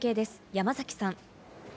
山崎さん。